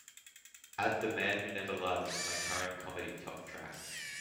add the man who never lied to my current comedy top tracks